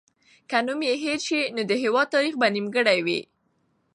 که نوم یې هېر سي، نو د هېواد تاریخ به نیمګړی وي.